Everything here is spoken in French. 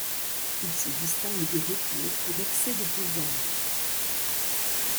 Il se distingue des recours pour excès de pouvoir.